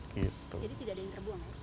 jadi tidak ada yang terbuang